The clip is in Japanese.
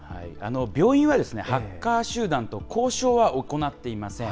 病院はハッカー集団と交渉は行っていません。